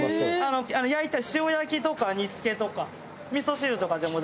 焼いたり塩焼きとか煮付けとかみそ汁とかでも大丈夫。